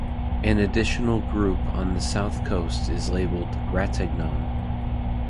An additional group on the south coast is labelled Ratagnon.